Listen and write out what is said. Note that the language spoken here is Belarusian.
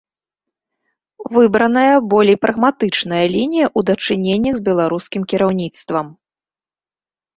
Выбраная болей прагматычная лінія ў дачыненнях з беларускім кіраўніцтвам.